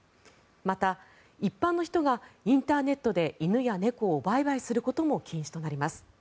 また、一般の人がインターネットで犬や猫を売買することも禁止となります。